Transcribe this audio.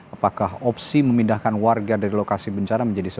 apakah opsi memindahkan warga dari lokasi bencana